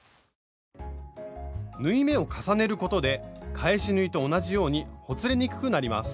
縫い目を重ねることで返し縫いと同じようにほつれにくくなります。